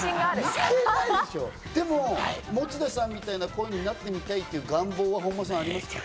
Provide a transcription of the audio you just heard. でも、持田さんみたいな声になってみたいっていう願望はありますか？